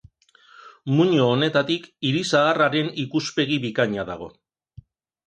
Muino honetatik hiri zaharraren ikuspegi bikaina dago.